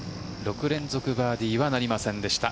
６連続バーディーはなりませんでした。